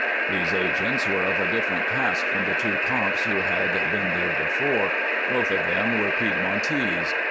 These agents were of a different cast from the two Copts who had been there before. Both of them were Piedmontese.